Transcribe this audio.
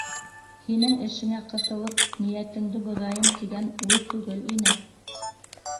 Һинең эшеңә ҡыҫылып, ниәтеңде боҙайым тигән уй түгел ине.